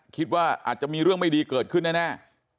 คิดว่าอาจจะมีเรื่องไม่ดีเกิดขึ้นแน่